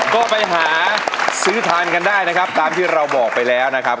ก็ไปหาซื้อทานกันได้นะครับตามที่เราบอกไปแล้วนะครับ